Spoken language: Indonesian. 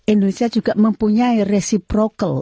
indonesia juga mempunyai reciprocal